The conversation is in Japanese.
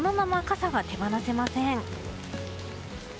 今夜はこのまま傘が手放せません。